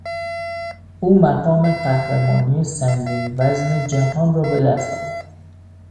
او مقام قهرمانی سنگین وزن جهان را به دست آورد.